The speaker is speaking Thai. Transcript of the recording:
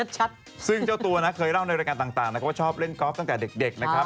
ซึ่งเจ้าตัวนะเคยเล่าในรายการต่างนะครับว่าชอบเล่นกอล์ฟตั้งแต่เด็กนะครับ